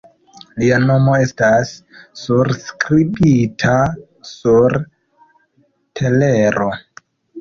Lia nomo estas surskribita sur telero.